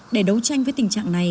để đấu tranh với tình trạng này